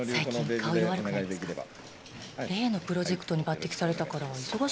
例のプロジェクトに抜てきされたから忙しいのかな？